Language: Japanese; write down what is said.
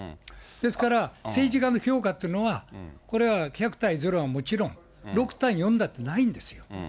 ですから政治家の評価というのは、これは１００対０はもちろん、６対４だってないんですよ。